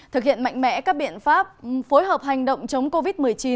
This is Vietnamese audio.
thực hiện mạnh mẽ các biện pháp phối hợp hành động chống covid một mươi chín